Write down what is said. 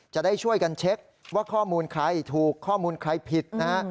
จะได้ช่วยกันเช็คว่าข้อมูลใครถูกข้อมูลใครผิดนะฮะ